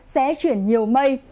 sẽ chuyển nhiều mây